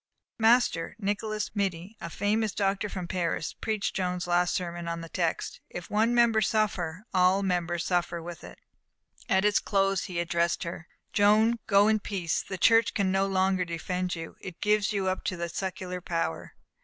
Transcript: _ Master Nicolas Midi, a famous doctor from Paris, preached Joan's last sermon, on the text, "If one member suffer, all the members suffer with it." At its close, he addressed her: "Joan, go in peace! The Church can no longer defend you; it gives you up to the secular power."